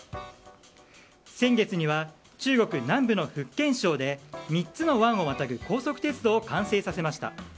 先月には中国南部の福建省で３つの湾をまたぐ高速鉄道を完成させました。